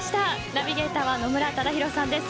ナビゲーターは野村忠宏さんです。